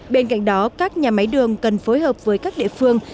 bên cạnh đó các nhà máy đường cần phối hợp với các địa phương